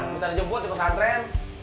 minta dia jemput di pesantren